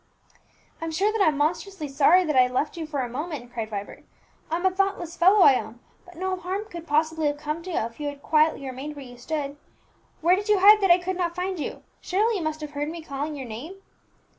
"I'm sure that I'm monstrously sorry that I left you for a moment!" cried Vibert. "I'm a thoughtless fellow, I own; but no harm could possibly have come to you, if you had quietly remained where you stood. Where did you hide that I could not find you? Surely you must have heard me calling your name?"